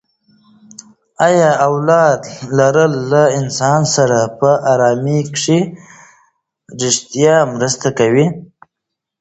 ایا اولاد لرل له انسان سره په ارامي کې ریښتیا مرسته کوي؟